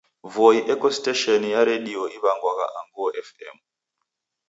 Voi eko stesheni ya redio iw'angwagha Anguo FM.